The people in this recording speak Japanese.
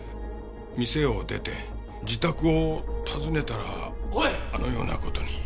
店を出て自宅を訪ねたらあのような事に。